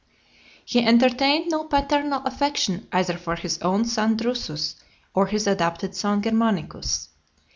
He entertained no paternal affection either for his own son Drusus, or his adopted son Germanicus.